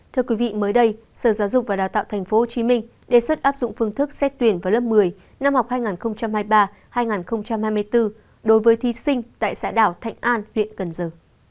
thưa quý vị mới đây sở giáo dục và đào tạo tp hcm đề xuất áp dụng phương thức xét tuyển vào lớp một mươi năm học hai nghìn hai mươi ba hai nghìn hai mươi bốn đối với thí sinh tại xã đảo thạnh an huyện cần giờ